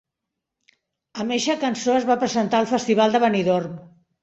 Amb eixa cançó es va presentar al Festival de Benidorm.